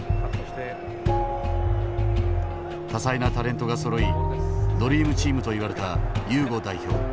多彩なタレントがそろいドリームチームといわれたユーゴ代表。